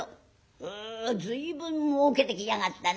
「へえ随分もうけてきやがったな。